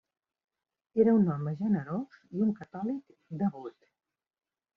Era un home generós i un catòlic devot.